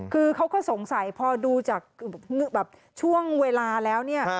คือเขาก็สงสัยพอดูจากช่วงเวลาแล้วเนี่ย